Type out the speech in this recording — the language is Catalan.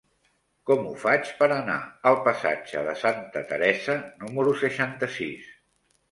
Com ho faig per anar al passatge de Santa Teresa número seixanta-sis?